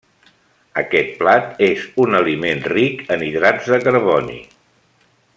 Aquest plat és un aliment ric en hidrats de carboni.